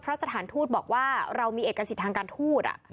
เพราะสถานทูตบอกว่าเรามีเอกสิทธิ์ทางการทูต